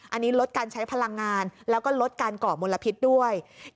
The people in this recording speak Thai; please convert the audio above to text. อันนี้ลดการใช้พลังงานแล้วก็ลดการก่อมลพิษด้วย